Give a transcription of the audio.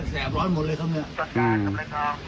แสบร้อนหมดเลยครับเมื่อกี้